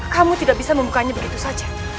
kamu tidak bisa membukanya begitu saja